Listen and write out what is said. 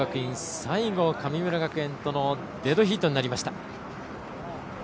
最後、神村学園とのデッドヒートになりました。